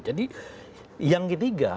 jadi yang ketiga